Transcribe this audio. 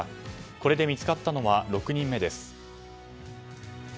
これで見つかったのは６人目です。